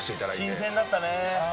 新鮮だったね。